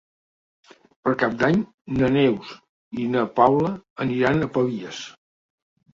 Per Cap d'Any na Neus i na Paula aniran a Pavies.